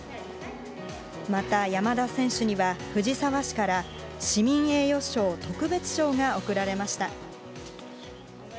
また山田選手には、藤沢市から、市民栄誉賞特別賞が送られました。